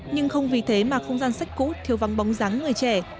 nhưng không vì thế mà không gian sách cũ thiếu vắng bóng dáng người trẻ